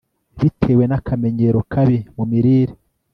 Bitewe nakamenyero kabi mu mirire